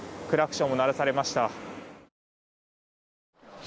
クラクションを鳴らされました。